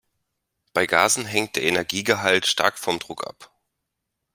Bei Gasen hängt der Energiegehalt stark vom Druck ab.